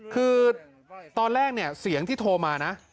คือตอนแรกเนี่ยเสียงที่โทรมานะ